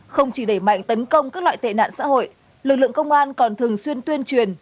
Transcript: không chỉ đẩy mạnh tấn công các loại tệ nạn xã hội lực lượng công an còn thường xuyên tuyên truyền